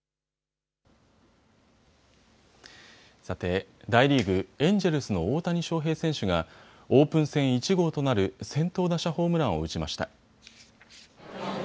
さて、大リーグ、エンジェルスの大谷翔平選手がオープン戦１号となる先頭打者ホームランを打ちました。